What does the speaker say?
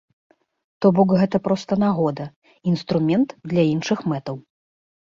То бок гэта проста нагода, інструмент для іншых мэтаў.